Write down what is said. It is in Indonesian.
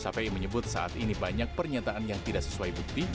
kpi menyebut saat ini banyak pernyataan yang tidak sesuai bukti